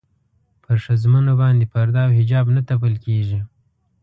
پر ښځمنو باندې پرده او حجاب نه تپل کېږي.